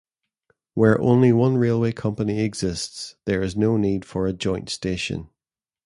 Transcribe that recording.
Where only one railway company exists, there is no need for a "joint station".